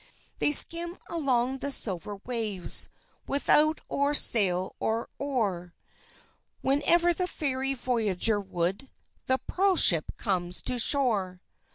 They skim along the silver waves Without or sail or oar; Whenever the Fairy voyager would, The pearl ship comes to shore.